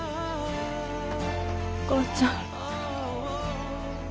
お母ちゃん。